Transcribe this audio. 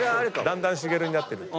だんだんしげるになってると。